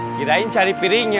kirain cari piringnya